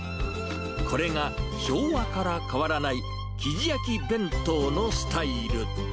これが昭和から変わらないきじ焼き弁当のスタイル。